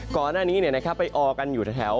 กรหน้านี้เนี่ยนะครับไปออกันอยู่ทะแถว